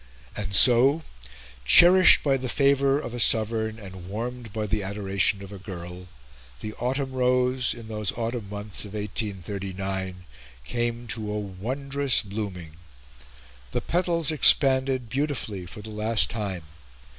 And so, cherished by the favour of a sovereign and warmed by the adoration of a girl, the autumn rose, in those autumn months of 1839, came to a wondrous blooming. The petals expanded, beautifully, for the last time.